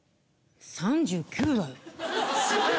３９だよ。